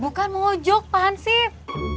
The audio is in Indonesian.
bukan mau jog pak hansip